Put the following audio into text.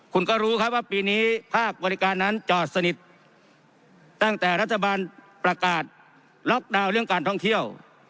คุณก็รู้ครับว่าปีนี้ภาคบริการนั้นจอดสนิทตั้งแต่รัฐบาลประกาศล็อกดาวน์เรื่องการท่องเที่ยว